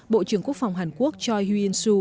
bộ trưởng quốc phòng hàn quốc choi hyo in su